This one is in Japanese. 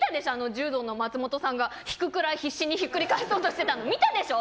柔道の松本さんが引くくらい必死にひっくり返そうとしてたの見たでしょ！